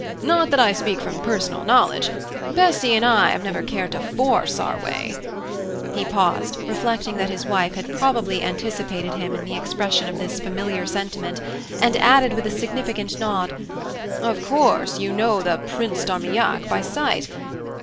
Not that I speak from personal knowledge. Bessy and I have never cared to force our way " He paused, reflecting that his wife had probably anticipated him in the expression of this familiar sentiment, and added with a significant nod: "Of course you know the Prince d'Armillac by sight?